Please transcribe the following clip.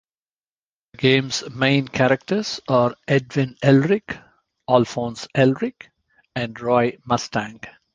The game's main characters are Edward Elric, Alphonse Elric, and Roy Mustang.